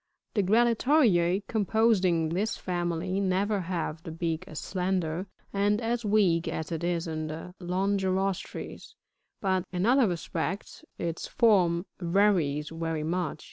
66. The Grallatoriae composing this family never have the beak as slender, and as weak as it is in the Longirostres, but, in other respects, its form varies very much.